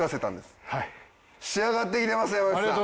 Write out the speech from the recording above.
仕上がってきてます山内さん。